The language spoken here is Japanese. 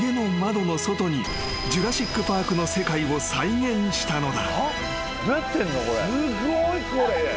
［窓の外に『ジュラシック・パーク』の世界を出現させたのだ］